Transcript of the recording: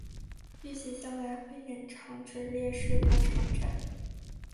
预计将来会延长至烈士广场站。